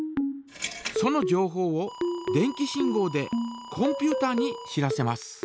そのじょうほうを電気信号でコンピュータに知らせます。